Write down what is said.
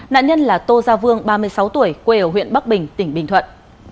nạn nhân là tô gia vương ba mươi sáu tuổi quê ở huyện bắc bình tỉnh bình thuận